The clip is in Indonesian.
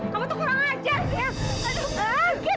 kamu itu kurang ajar sayang